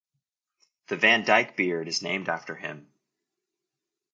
The Van Dyke beard is named after him.